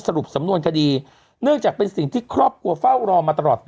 สรุปสำนวนคดีเนื่องจากเป็นสิ่งที่ครอบครัวเฝ้ารอมาตลอด